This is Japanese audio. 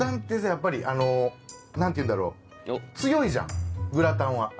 やっぱりあの何ていうんだろう強いじゃんグラタンは。